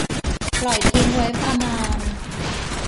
ปล่อยทิ้งไว้ประมาณ